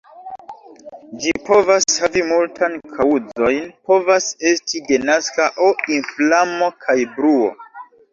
Ĝi povas havi multan kaŭzojn, povas esti denaska aŭ inflamo kaj bruo.